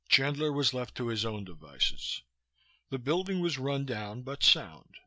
Chandler was left to his own devices. The building was rundown but sound.